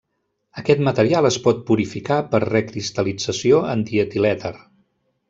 Aquest material es pot purificar per recristal·lització en dietilèter.